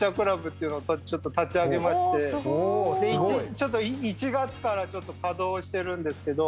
ちょっと１月から稼働してるんですけど。